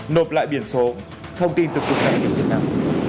nộp lại biển số thông tin từ quốc gia việt nam